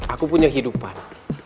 aku punya hidupan